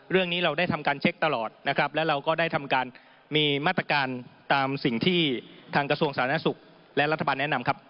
เรื่องนี้เราได้ทำการเช็คตลอดนะครับและเราก็ได้ทำการมีมาตรการตามสิ่งที่ทางกระทรวงสาธารณสุขและรัฐบาลแนะนำครับ